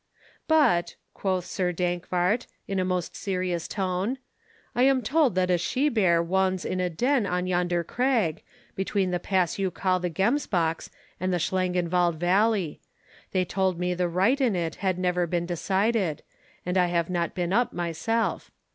"But," quoth Sir Dankwart, in a most serious tone, "I am told that a she bear wons in a den on yonder crag, between the pass you call the Gemsbock's and the Schlangenwald valley. They told me the right in it had never been decided, and I have not been up myself.